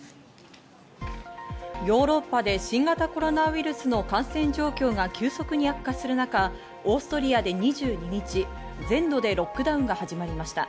ヨーロッパで新型コロナウイルスの感染状況が急速に悪化する中、オーストリアで２２日、全土でロックダウンが始まりました。